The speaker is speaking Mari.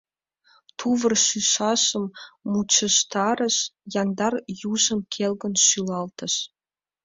Тувыр шӱшажым мучыштарыш, яндар южым келгын шӱлалтыш.